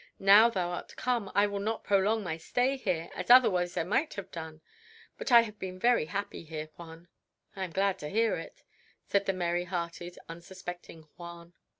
Now thou art come, I will not prolong my stay here, as otherwise I might have done. But I have been very happy here, Juan." "I am glad to hear it," said the merry hearted, unsuspecting Juan.